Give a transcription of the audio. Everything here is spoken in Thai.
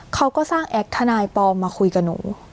เขาก็สร้างแอคทนายปลอมมาคุยกับหนู